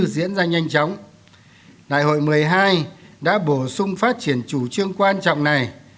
đại hội một mươi hai đã bổ sung phát triển chủ trương quan trọng này